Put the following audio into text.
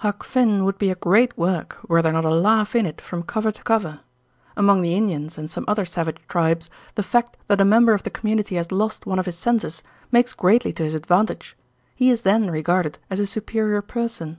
"Huck Finn" would be a great work were there not a laugh in it from cover to cover. Among the Indians and some other savage tribes the fact that a member of the community has lost one of his senses makes greatly to his advantage; he is then regarded as a superior person.